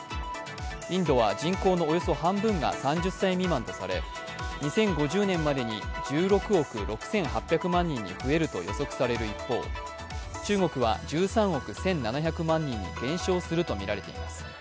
インドは人口のおよそ半分が３０歳未満とされ２０５０年までに１６億６８００万人に増えると予測される一方、中国は１３億１７００万人に減少するとみられています。